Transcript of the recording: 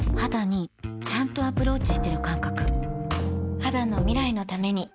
肌の未来のために